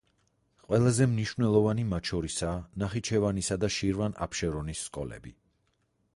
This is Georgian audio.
ყველაზე მნიშვნელოვანი მათ შორისაა ნახიჩევანისა და შირვან-აფშერონის სკოლები.